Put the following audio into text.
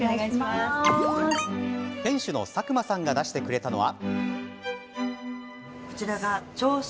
店主の佐久間さんが出してくれたのは。